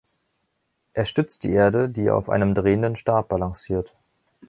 Er stützt die Erde, die er auf einem drehenden Stab balanciert.